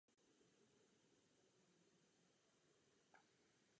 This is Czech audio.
Obléhal hlavní město Konstantinopol.